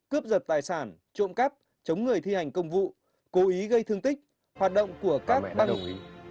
cướp giật tài sản trộm cắp chống người thi hành công vụ cố ý gây thương tích hoạt động của các băng hủy